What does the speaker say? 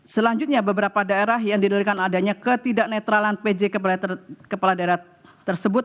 selanjutnya beberapa daerah yang didalikan adanya ketidaknetralan pj kepala daerah tersebut